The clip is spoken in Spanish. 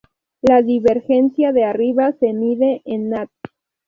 La divergencia de arriba se mide en nats.